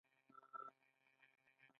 قطبي خرس سپین رنګ لري